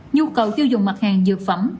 nhu cầu tiêu dùng mặt hàng dược phẩm